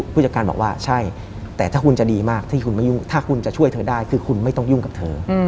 ผู้จัดการบอกว่าใช่แต่ถ้าคุณจะดีมากที่คุณไม่ยุ่งถ้าคุณจะช่วยเธอได้คือคุณไม่ต้องยุ่งกับเธอ